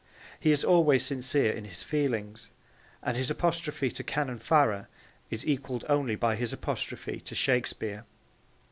He is always sincere in his feelings, and his apostrophe to Canon Farrar is equalled only by his apostrophe to Shakespeare.